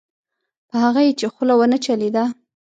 په هغه یې چې خوله ونه چلېده.